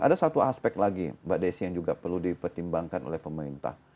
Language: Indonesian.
ada satu aspek lagi mbak desi yang juga perlu dipertimbangkan oleh pemerintah